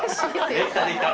できたできた！